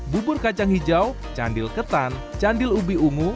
bubur kacang hijau candil ketan candil ubi ungu